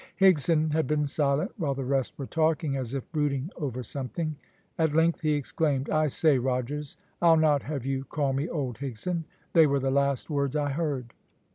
Higson had been silent, while the rest were talking, as if brooding over something; at length he exclaimed, "I say, Rogers, I'll not have you call me old Higson they were the last words I heard."